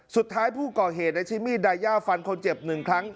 สุดท้ายผู้ก่อเหนี่ยชิมมีดายาฟันคนเจ็บหนึ่งครั้ง